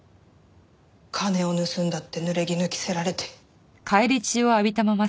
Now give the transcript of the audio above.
金を盗んだって濡れ衣着せられて。